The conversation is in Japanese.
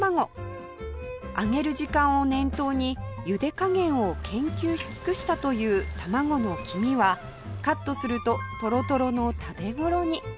揚げる時間を念頭にゆで加減を研究し尽くしたという卵の黄身はカットするとトロトロの食べ頃に